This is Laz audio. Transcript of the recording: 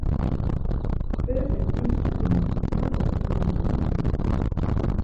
Berepek imçvirnan nak̆o xelineri renan.